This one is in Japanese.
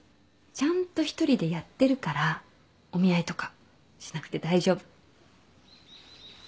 ちゃんと一人でやってるからお見合いとかしなくて大丈夫。